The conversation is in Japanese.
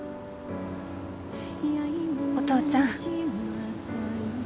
お父ちゃん